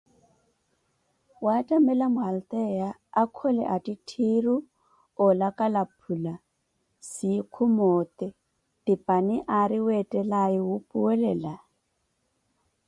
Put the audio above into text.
Yattamela mwalteyiya, akhole atitthiru oolakala phula, siikhu moote, tipani ari weetelaawe wuupuwela?